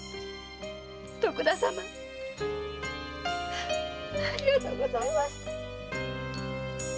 徳田様ありがとうございました。